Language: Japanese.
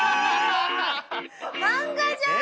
漫画じゃん！